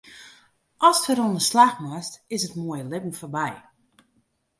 Ast wer oan 'e slach moatst, is it moaie libben foarby.